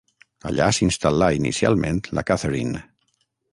Allà s’instal·là inicialment la Catherine.